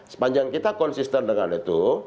sepanjang kita konsisten dengan itu